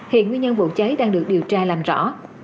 hiện nguyên nhân vụ cháy đang được điều tra làm rõ